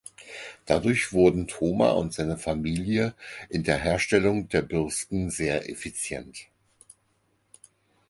Dadurch wurden Thoma und seine Familie in der Herstellung der Bürsten sehr effizient.